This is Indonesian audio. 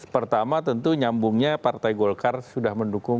pertama tentu nyambungnya partai golkar sudah mendukung